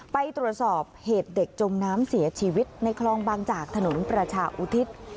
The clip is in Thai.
ไปตรวจสอบเหตุเด็กจมน้ำเสียชีวิตในคลองบางจากถนนประชาอุทิศ